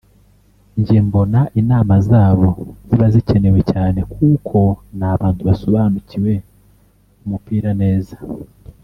Njye mbona inama zabo ziba zikenewe cyane kuko n’abantu basobanukiwe umupira neza